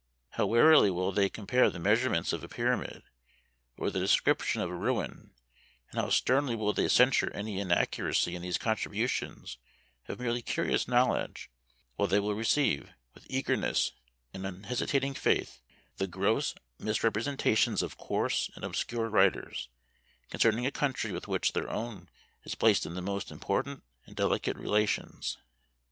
How warily will they compare the measurements of a pyramid, or the description of a ruin; and how sternly will they censure any inaccuracy in these contributions of merely curious knowledge, while they will receive, with eagerness and unhesitating faith, the gross misrepresentations of coarse and obscure writers, concerning a country with which their own is placed in the most important and delicate relations.